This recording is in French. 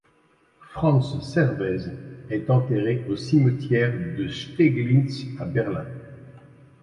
Franz servaes est enterré au cimetière de Steglitz à Berlin.